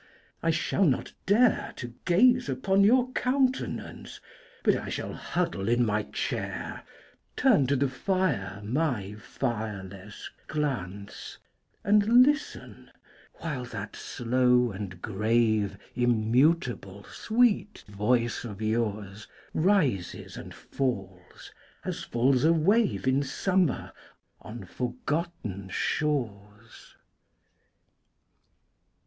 I shall not dare To gaze upon your countenance, But I shall huddle in my chair, Turn to the fire my fireless glance, And listen, while that slow and grave Immutable sweet voice of yours Rises and falls, as falls a wave In summer on forgotten shores.